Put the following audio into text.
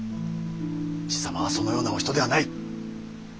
爺様はそのようなお人ではない。